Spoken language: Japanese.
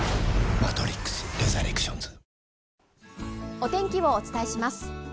お天気をお伝えします。